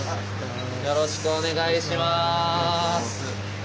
よろしくお願いします。